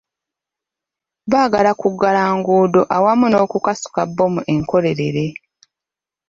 Baagala kuggala nguudo awamu n'okukasuka bbomu enkolerere.